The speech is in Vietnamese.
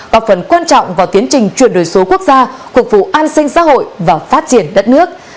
góp phần quan trọng vào tiến trình chuyển đổi số quốc gia phục vụ an sinh xã hội và phát triển đất nước